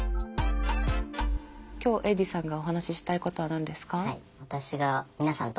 今日エイジさんがお話ししたいことは何ですか？